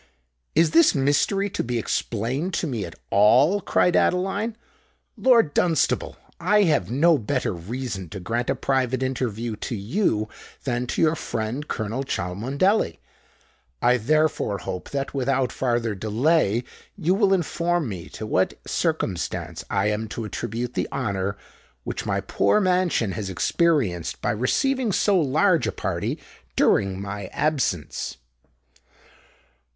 "Is this mystery to be explained to me at all?" cried Adeline. "Lord Dunstable, I have no better reason to grant a private interview to you than to your friend Colonel Cholmondeley: I therefore hope that, without farther delay, you will inform me to what circumstance I am to attribute the honour which my poor mansion has experienced by receiving so large a party during my absence."